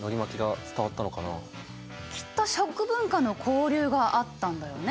きっと食文化の交流があったんだよね。